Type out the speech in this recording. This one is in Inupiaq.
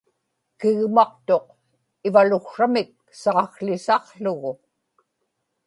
kigmaqtuq ivaluksramik saakłisaqługu